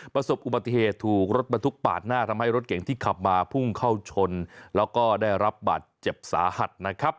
ประสบอุบัติเหตุถูกรถบรรทุกปาดหน้าทำให้รถเก่งที่ขับมาพุ่งเข้าชนแล้วก็ได้รับบาดเจ็บสาหัสนะครับ